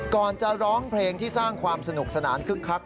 ก่อนจะร้องเพลงที่สร้างความสนุกสนานคึกคัก